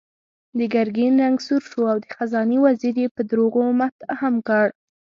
د ګرګين رنګ سور شو او د خزانې وزير يې په دروغو متهم کړ.